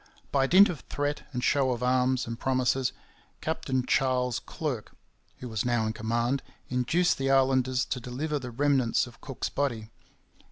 By dint of threat and show of arms and promises, Captain Charles Clerke, who was now in command, induced the islanders to deliver the remnants of Cook's body.